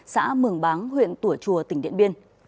xã mường báng huyện tủa chùa tỉnh điện biên